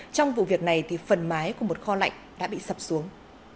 trong vụ việc này thì phần mái của một kho lạnh đã bị sập xuống